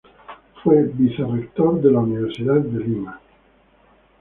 Fue vicerrector de la Universidad de Lima.